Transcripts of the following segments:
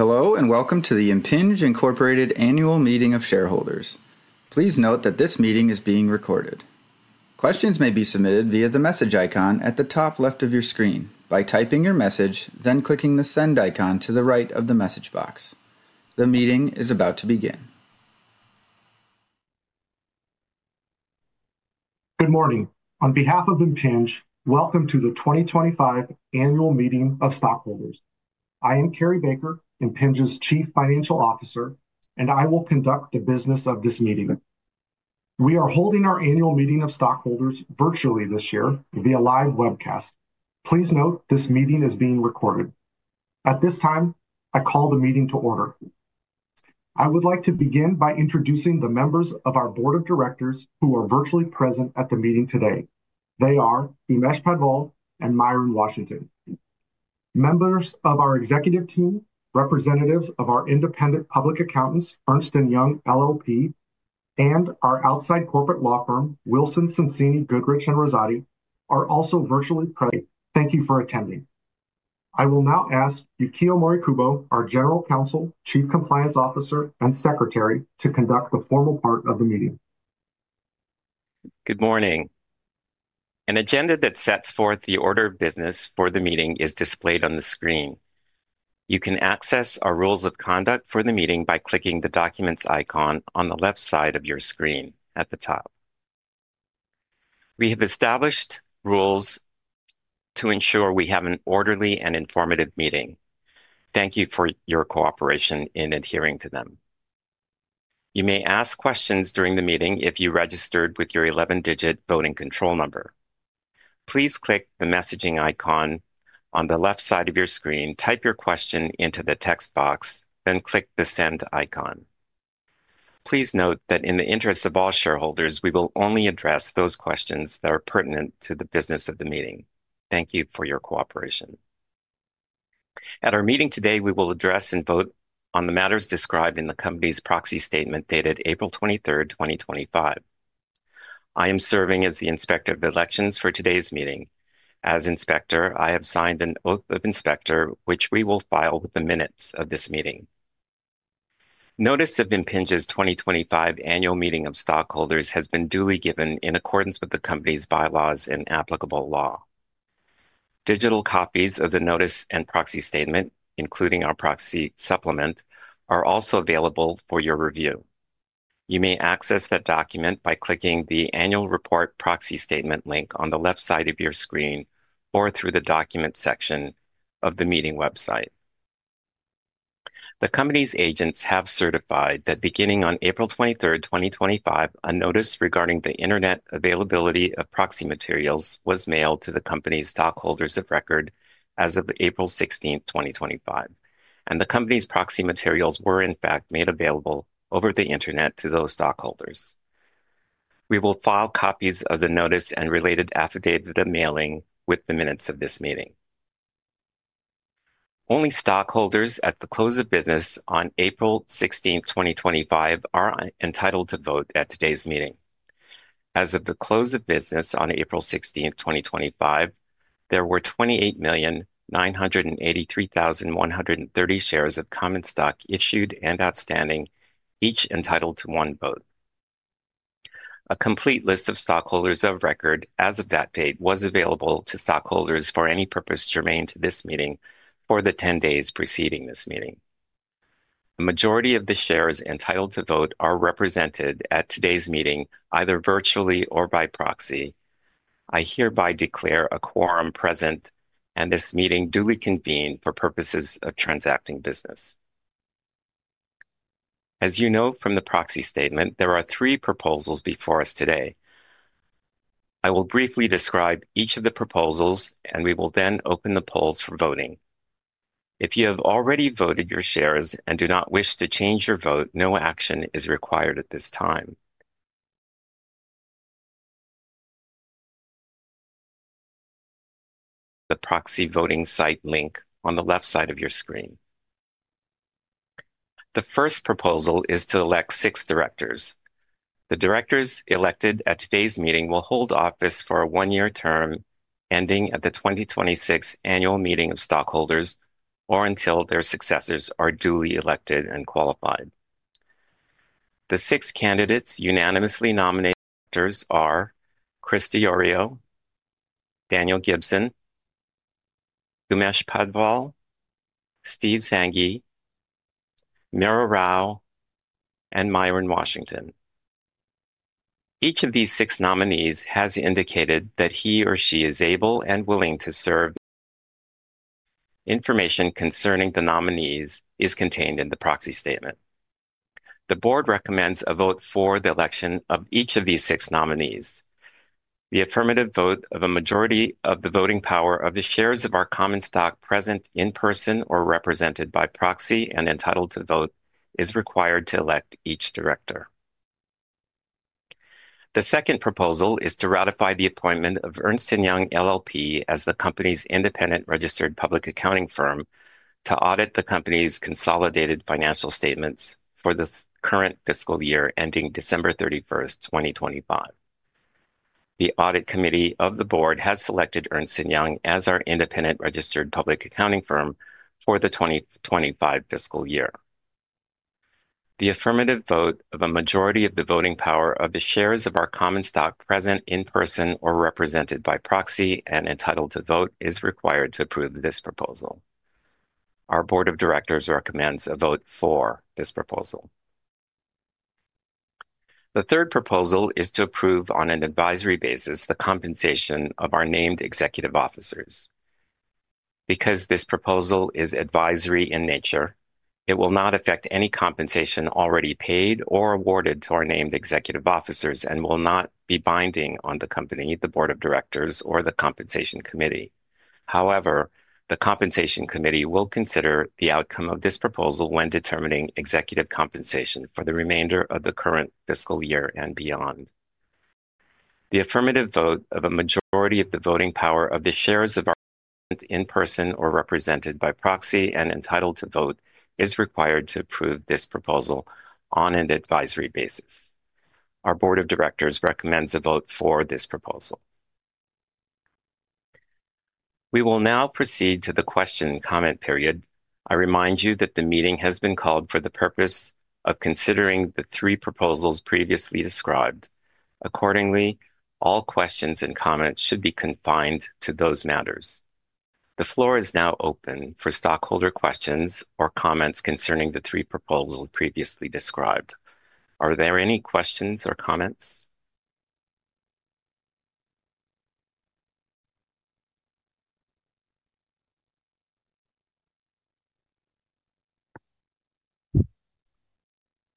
Hello and welcome to the Impinj Incorporated Annual Meeting of Shareholders. Please note that this meeting is being recorded. Questions may be submitted via the message icon at the top left of your screen by typing your message, then clicking the send icon to the right of the message box. The meeting is about to begin. Good morning. On behalf of Impinj, welcome to the 2025 Annual Meeting of Stockholders. I am Cary Baker, Impinj's Chief Financial Officer, and I will conduct the business of this meeting. We are holding our Annual Meeting of Stockholders virtually this year via live webcast. Please note this meeting is being recorded. At this time, I call the meeting to order. I would like to begin by introducing the members of our Board of Directors who are virtually present at the meeting today. They are Umesh Padwal and Myron Washington. Members of our executive team, representatives of our independent public accountants, Ernst & Young LLP, and our outside corporate law firm, Wilson Sonsini Goodrich & Rosati, are also virtually present. Thank you for attending. I will now ask Yukio Morikubo, our General Counsel, Chief Compliance Officer, and Secretary, to conduct the formal part of the meeting. Good morning. An agenda that sets forth the order of business for the meeting is displayed on the screen. You can access our rules of conduct for the meeting by clicking the documents icon on the left side of your screen at the top. We have established rules to ensure we have an orderly and informative meeting. Thank you for your cooperation in adhering to them. You may ask questions during the meeting if you registered with your 11-digit voting control number. Please click the messaging icon on the left side of your screen, type your question into the text box, then click the send icon. Please note that in the interests of all shareholders, we will only address those questions that are pertinent to the business of the meeting. Thank you for your cooperation. At our meeting today, we will address and vote on the matters described in the company's proxy statement dated April 23rd, 2025. I am serving as the Inspector of Elections for today's meeting. As Inspector, I have signed an oath of inspector, which we will file with the minutes of this meeting. Notice of Impinj's 2025 Annual Meeting of Stockholders has been duly given in accordance with the company's bylaws and applicable law. Digital copies of the notice and proxy statement, including our proxy supplement, are also available for your review. You may access that document by clicking the annual report proxy statement link on the left side of your screen or through the document section of the meeting website. The company's agents have certified that beginning on April 23rd, 2025, a notice regarding the internet availability of proxy materials was mailed to the company's stockholders of record as of April 16th, 2025, and the company's proxy materials were, in fact, made available over the internet to those stockholders. We will file copies of the notice and related affidavit of mailing with the minutes of this meeting. Only stockholders at the close of business on April 16th, 2025, are entitled to vote at today's meeting. As of the close of business on April 16th, 2025, there were 28,983,130 shares of common stock issued and outstanding, each entitled to one vote. A complete list of stockholders of record as of that date was available to stockholders for any purpose germane to this meeting for the 10 days preceding this meeting. The majority of the shares entitled to vote are represented at today's meeting either virtually or by proxy. I hereby declare a quorum present and this meeting duly convened for purposes of transacting business. As you know from the proxy statement, there are three proposals before us today. I will briefly describe each of the proposals, and we will then open the polls for voting. If you have already voted your shares and do not wish to change your vote, no action is required at this time. The proxy voting site link on the left side of your screen. The first proposal is to elect six directors. The directors elected at today's meeting will hold office for a one-year term ending at the 2026 Annual Meeting of Stockholders or until their successors are duly elected and qualified. The six candidates unanimously nominated are Chris Diorio, Daniel Gibson, Umesh Padwal, Steve Sanghi, Mira Rao, and Myron Washington. Each of these six nominees has indicated that he or she is able and willing to serve. Information concerning the nominees is contained in the proxy statement. The board recommends a vote for the election of each of these six nominees. The affirmative vote of a majority of the voting power of the shares of our common stock present in person or represented by proxy and entitled to vote is required to elect each director. The second proposal is to ratify the appointment of Ernst & Young LLP as the company's independent registered public accounting firm to audit the company's consolidated financial statements for the current fiscal year ending December 31st, 2025. The audit committee of the board has selected Ernst & Young as our independent registered public accounting firm for the 2025 fiscal year. The affirmative vote of a majority of the voting power of the shares of our common stock present in person or represented by proxy and entitled to vote is required to approve this proposal. Our board of directors recommends a vote for this proposal. The third proposal is to approve on an advisory basis the compensation of our named executive officers. Because this proposal is advisory in nature, it will not affect any compensation already paid or awarded to our named executive officers and will not be binding on the company, the board of directors, or the compensation committee. However, the compensation committee will consider the outcome of this proposal when determining executive compensation for the remainder of the current fiscal year and beyond. The affirmative vote of a majority of the voting power of the shares of our companies in person or represented by proxy and entitled to vote is required to approve this proposal on an advisory basis. Our board of directors recommends a vote for this proposal. We will now proceed to the question and comment period. I remind you that the meeting has been called for the purpose of considering the three proposals previously described. Accordingly, all questions and comments should be confined to those matters. The floor is now open for stockholder questions or comments concerning the three proposals previously described. Are there any questions or comments?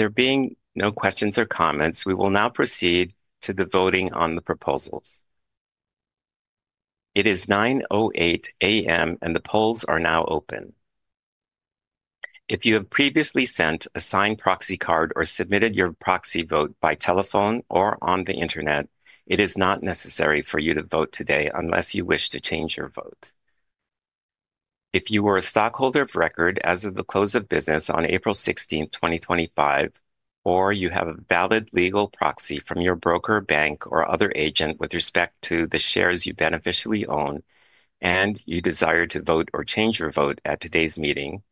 There being no questions or comments, we will now proceed to the voting on the proposals. It is 9:08 A.M., and the polls are now open. If you have previously sent a signed proxy card or submitted your proxy vote by telephone or on the internet, it is not necessary for you to vote today unless you wish to change your vote. If you were a stockholder of record as of the close of business on April 16th, 2025, or you have a valid legal proxy from your broker, bank, or other agent with respect to the shares you beneficially own and you desire to vote or change your vote at today's meeting,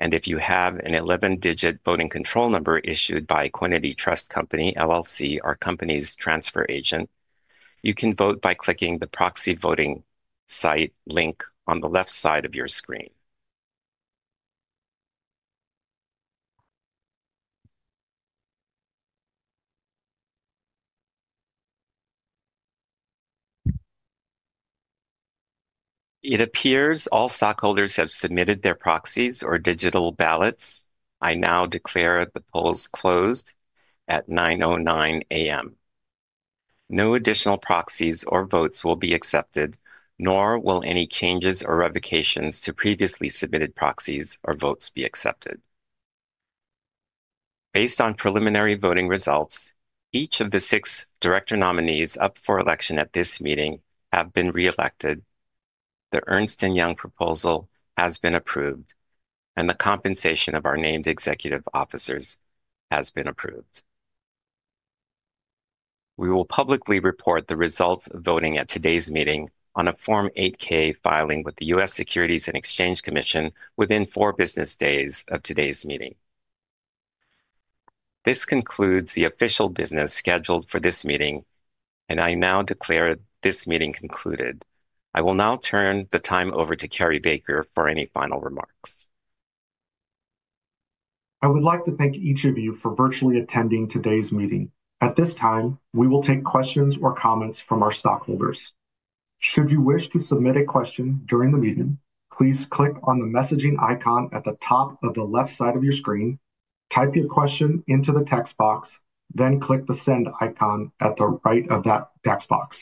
and if you have an 11-digit voting control number issued by Equiniti Trust Company, our company's transfer agent, you can vote by clicking the proxy voting site link on the left side of your screen. It appears all stockholders have submitted their proxies or digital ballots. I now declare the polls closed at 9:09 A.M. No additional proxies or votes will be accepted, nor will any changes or revocations to previously submitted proxies or votes be accepted. Based on preliminary voting results, each of the six director nominees up for election at this meeting have been reelected. The Ernst & Young proposal has been approved, and the compensation of our named executive officers has been approved. We will publicly report the results of voting at today's meeting on a Form 8-K filing with the U.S. Securities and Exchange Commission within four business days of today's meeting. This concludes the official business scheduled for this meeting, and I now declare this meeting concluded. I will now turn the time over to Cary Baker for any final remarks. I would like to thank each of you for virtually attending today's meeting. At this time, we will take questions or comments from our stockholders. Should you wish to submit a question during the meeting, please click on the messaging icon at the top of the left side of your screen, type your question into the text box, then click the send icon at the right of that text box.